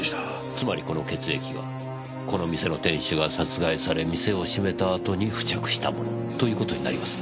つまりこの血液はこの店の店主が殺害され店を閉めた後に付着したものという事になりますね。